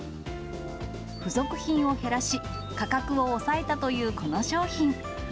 付属品を減らし、価格を抑えたという、この商品。